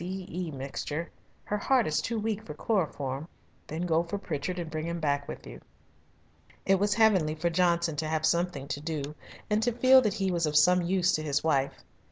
C. E. mixture. Her heart is too weak for chloroform. Then go for Pritchard and bring him back with you." It was heavenly for Johnson to have something to do and to feel that he was of some use to his wife.